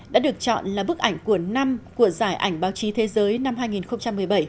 đã được chọn là bức ảnh của năm của giải ảnh báo chí thế giới năm hai nghìn một mươi bảy